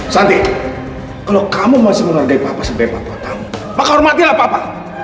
santi kalo kamu masih menghargai papa sebagai patuatamu maka hormatinlah papa